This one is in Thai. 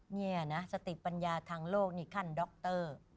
เนี่ยนะสติปัญญาทางโลกนี่ขั้นด็อกเตอร์